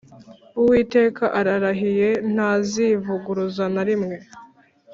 Uwiteka ararahiye ntazivuguruza na rimwe